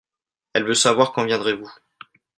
Elle veut savoir quand viendrez-vous.